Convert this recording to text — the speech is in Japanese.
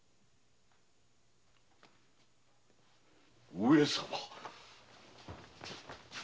上様！